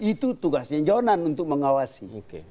itu tugasnya jonan untuk mengawasi